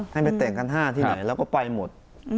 ให้ไปแต่งกันห้าที่ไหนแล้วก็ไปหมด